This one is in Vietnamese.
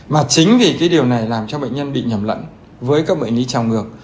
mà chính vì cái điều này làm cho bệnh nhân bị nhầm lẫn với các bệnh lý trào ngược